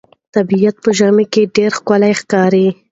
طبیعت په ژمي کې ډېر ښکلی ښکاري.